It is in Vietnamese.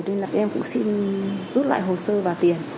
nên là em cũng xin rút lại hồ sơ và tiền